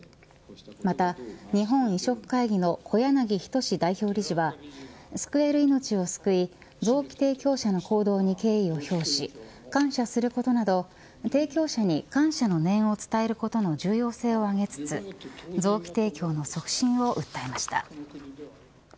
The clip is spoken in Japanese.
また、日本移植会議の小柳仁代表理事は救える命を救い臓器提供者の行動に敬意を表し感謝することなど提供者に感謝の念を伝えることの重要性を挙げつつ臓器提供の促進を訴えました。